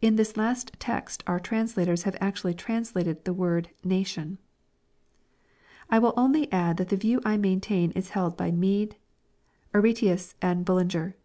In this last text our translators have actually translated the word "nation." I will only add that the view I maintain is held by Mede, Flacius, Ravanellus, Ai'etkis;, and Bullinger.